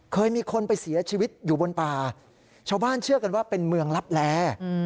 เคยมีคนไปเสียชีวิตอยู่บนป่าชาวบ้านเชื่อกันว่าเป็นเมืองลับแล